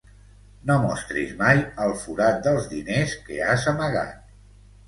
No mostris mai el forat dels diners que has amagat.